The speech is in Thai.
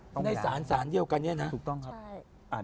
ต้องไปล้างสารเยอะกันเนี่ยนะถูกต้องครับใช่